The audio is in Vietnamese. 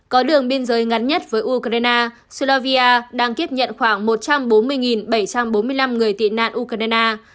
có đường biên giới ngắn nhất với ukraine slovia đang tiếp nhận khoảng một trăm bốn mươi bảy trăm bốn mươi năm người tị nạn ukraine